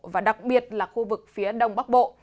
và đặc biệt là khu vực phía đông bắc bộ